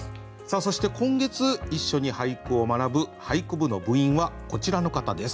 そして今月一緒に俳句を学ぶ「俳句部」の部員はこちらの方です。